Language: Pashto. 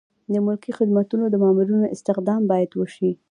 د ملکي خدمتونو د مامورینو استخدام باید وشي.